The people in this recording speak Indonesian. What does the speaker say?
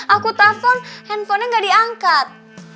aku telpon handphonenya gak diangkat